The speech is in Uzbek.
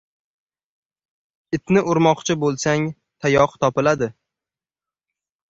• Itni urmoqchi bo‘lsang, tayoq topiladi.